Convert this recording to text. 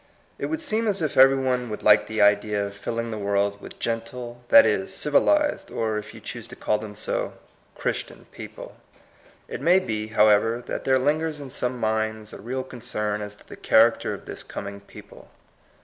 It would seem as if every one would like the idea of filling the world with gen tle, that is, civilized, or, if you choose to call them so, Christian people. It may be, however, that there lingers in some minds a real concern as to the character of this coming people.